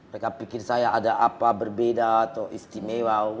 rekap pikir saya ada apa berbeda atau istimewa